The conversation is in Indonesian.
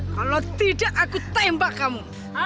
kalau tidak aku tembak kamu